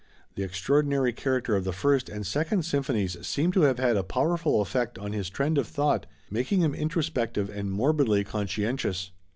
The extraordinary character of the First and Second Symphonies seem to have had a powerful effect on his trend of thought making him introspective and morbidly conscientious.